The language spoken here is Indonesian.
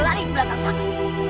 lari ke belakang sana